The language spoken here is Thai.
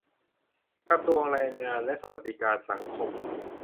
กระทรวงแรงงานและสวัสดิการสังคม